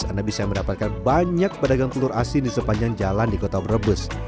anda bisa mendapatkan banyak pedagang telur asin sepanjang jalan di kota ber rebus